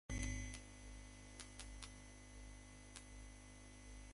এটা অফিসিয়াল নয়।